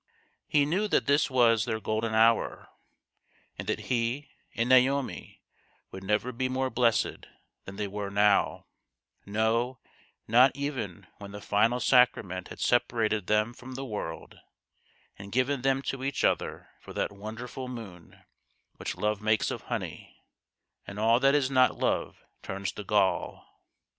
He knew that this was their golden hour, and that he and Naomi would never be more blessed than they were now, no, not even when the final sacrament had separated them from the world and given them to each other for that wonderful moon which love makes of honey, and all that is not love turns to gall.